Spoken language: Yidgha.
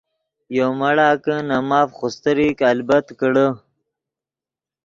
یو مڑا کہ نے ماف خوستریک البت کڑے۔